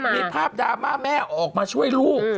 มีภาพดราม่าแม่ออกมาช่วยลูก